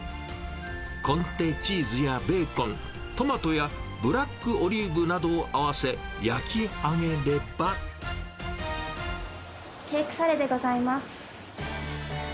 コンテチーズやベーコン、トマトやブラックオリーブなどを合わせ、ケークサレでございます。